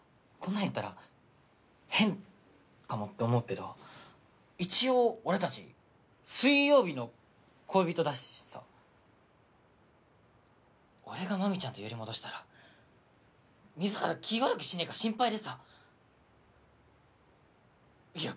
なん言ったら変かもって思うけど一応俺たち水曜日の恋人だしさ俺が麻美ちゃんとヨリ戻したら水原気ぃ悪くしねぇか心配でさいや